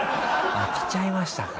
着ちゃいましたか。